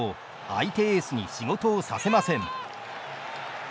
相手エースに仕事をさせません。